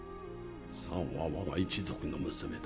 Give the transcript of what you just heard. サンはわが一族の娘だ。